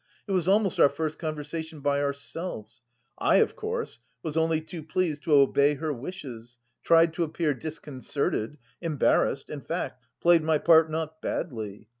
It was almost our first conversation by ourselves. I, of course, was only too pleased to obey her wishes, tried to appear disconcerted, embarrassed, in fact played my part not badly.